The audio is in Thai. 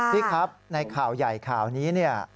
พี่ครับในข่าวใหญ่ข่าวนี้เนี่ย